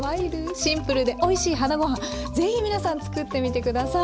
シンプルでおいしいはなゴハン是非皆さん作ってみて下さい。